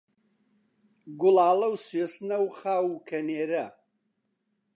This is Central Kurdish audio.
گوڵاڵە و سوێسنە و خاو و کەنێرە